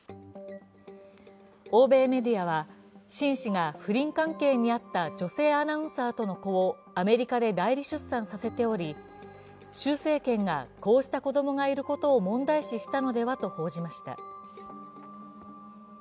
欧米メディアは秦氏が不倫関係にあった女性アナウンサーとの子をアメリカで代理出産させており、習政権がこうした子供がいることを問題視したのではと報じました。